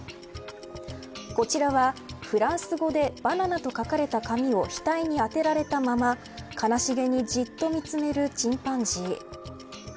こちらは、フランス語でバナナと書かれた紙を額に当てられたまま、悲しげにじっと見つめるチンパンジー。